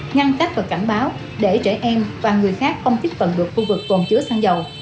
ngăn cách và cảnh báo để trẻ em và người khác không thích tận được khu vực còn chứa xăng dầu